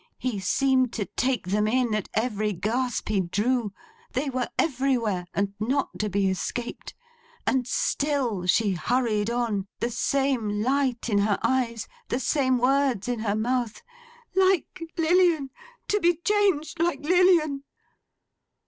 He seemed to take them in, at every gasp he drew. They were everywhere, and not to be escaped. And still she hurried on; the same light in her eyes, the same words in her mouth, 'Like Lilian! To be changed like Lilian!